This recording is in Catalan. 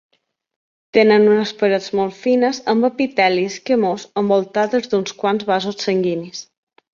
Tenen unes parets molt fines amb epiteli escamós, envoltades d'uns quants vasos sanguinis.